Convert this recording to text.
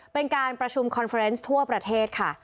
เป็นการประชุมคอนเฟอร์เนส์ทั่วประเทศค่ะ